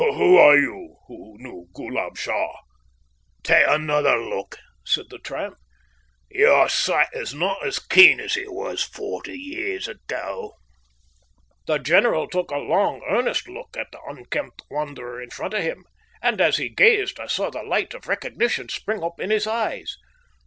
Who are you who know Ghoolab Shah?" "Take another look," said the tramp, "your sight is not as keen as it was forty years ago." The general took a long, earnest look at the unkempt wanderer in front of him, and as he gazed I saw the light of recognition spring up in his eyes.